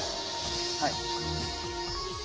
はい。